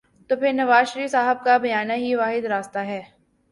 تو پھر نوازشریف صاحب کا بیانیہ ہی واحد راستہ ہے۔